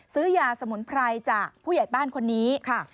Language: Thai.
ซื้อยาสมุนไพรจากผู้ใหญ่บ้านคนนี้ค่ะ